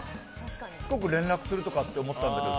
しつこく連絡するとかって思ったんだけど。